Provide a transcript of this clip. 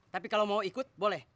tapi kalau mau ikut boleh